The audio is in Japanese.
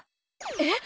えっ！